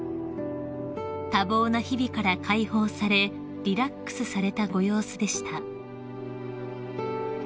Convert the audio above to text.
［多忙な日々から解放されリラックスされたご様子でした］